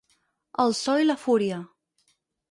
El so i la fúria